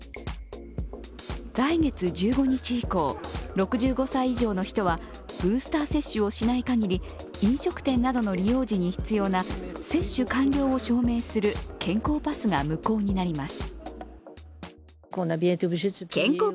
来月１５日以降、６５歳以上の人はブースター接種をしないかぎり、飲食店などの利用時に必要な接種完了を証明する健康パスが無効になります。